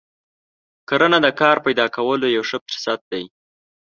کرنه د کار پیدا کولو یو ښه فرصت دی.